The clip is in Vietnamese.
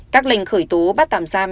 các lệnh khởi tố bắt tạm giam